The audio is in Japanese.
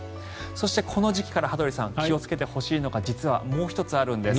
そしてこの時期から、羽鳥さん気をつけてほしいのが実はもう１つあるんです。